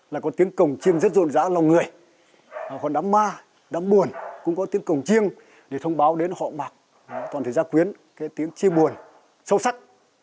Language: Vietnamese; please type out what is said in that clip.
là có tiếng cổng chiêng rất rộn rã lòng người còn đám ma đám buồn cũng có tiếng cổng chiêng để thông báo đến họ mặc toàn thể gia quyến cái tiếng chiêng buồn sâu sắc